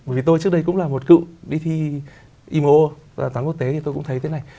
bởi vì tôi trước đây cũng là một cựu đi thi imo và tám quốc tế thì tôi cũng thấy thế này